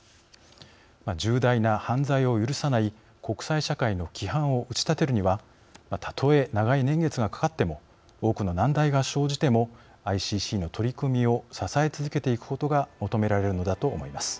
重大な犯罪を許さない国際社会の規範を打ち立てるにはたとえ長い年月がかかっても多くの難題が生じてもＩＣＣの取り組みを支え続けていくことが求められるのだと思います。